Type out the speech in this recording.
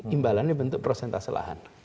imbalannya bentuk prosentase lahan